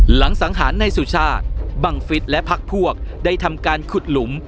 สังหารในสุชาติบังฟิศและพักพวกได้ทำการขุดหลุม